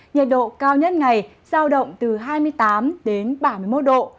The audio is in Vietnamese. nhiệt độ cao nhất ngày giao động từ hai mươi tám đến ba mươi một độ